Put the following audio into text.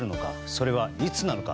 それはいつなのか。